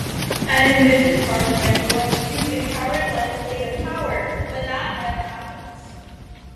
An envisioned parliament was to inherit legislative power, but that never happened.